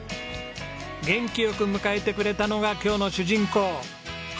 元気よく迎えてくれたのが今日の主人公波木井宏幸さん